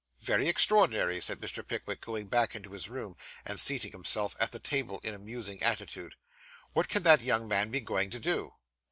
'Very extraordinary,' said Mr. Pickwick, going back into his room, and seating himself at the table in a musing attitude. 'What can that young man be going to do?